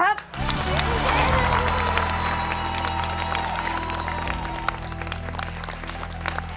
ถูกครับ